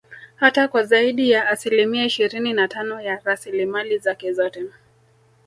Hata kwa zaidi ya asilimia ishirini na Tano ya rasilimali zake zote